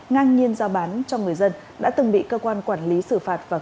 ngang nhiên giao bán cho người dân đã từng bị cơ quan quản lý xử phạt